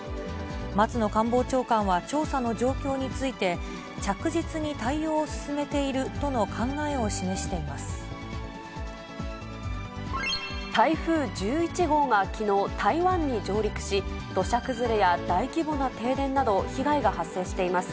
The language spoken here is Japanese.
松野官房長官は調査の状況について、着実に対応を進めているとの台風１１号がきのう、台湾に上陸し、土砂崩れや大規模な停電など、被害が発生しています。